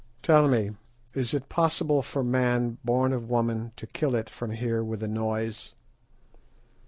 "Tell me, is it possible for man born of woman to kill it from here with a noise?"